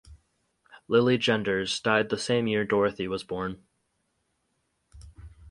Lilly Genders died the same year Dorothy was born.